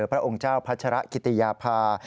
พระองค์เจ้าพัชรกิติยาภา